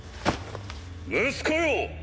息子よ！